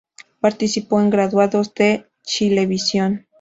Participó en "Graduados" de Chilevisión.